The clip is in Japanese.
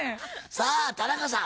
さあ田中さん